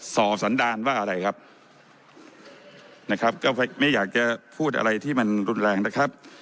่อสันดารว่าอะไรครับนะครับก็ไม่อยากจะพูดอะไรที่มันรุนแรงนะครับ